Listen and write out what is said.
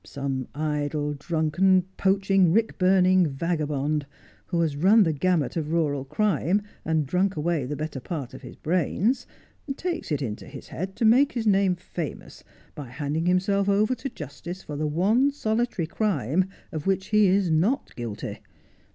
Some idle, drunken, poach ing, rick burning vagabond, who has run the gamut of rural crime and drunk away the better part of his brains, takes it into his head to make his name famous by handing himself over to justice for the one solitary crime of which he is not guilty.